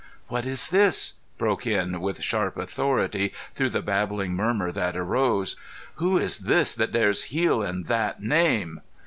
"What is this?" broke in with sharp authority through the babbling murmur that arose. "Who is this that dares heal in that Name?"